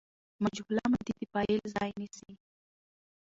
مجهوله ماضي د فاعل ځای نیسي.